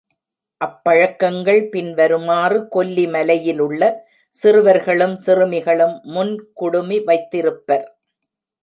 அப்பழக்கங்கள் பின் வருமாறு கொல்லி மலையிலுள்ள சிறுவர்களும் சிறுமிகளும் முன் குடுமி வைத்திருப்பர்.